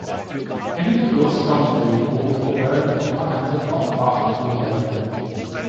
In dem Fluss kommen Regenbogenforellen und vereinzelt auch Bachforellen.